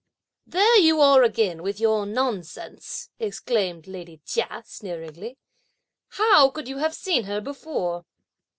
"There you are again with your nonsense," exclaimed lady Chia, sneeringly; "how could you have seen her before?"